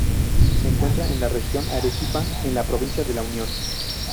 Se encuentra en la región Arequipa, en la provincia de La Unión.